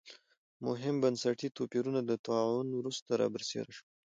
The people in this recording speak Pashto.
مهم بنسټي توپیرونه د طاعون وروسته را برسېره شول.